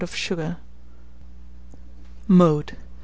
of sugar. Mode.